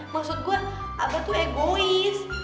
maksud gue abah tuh egois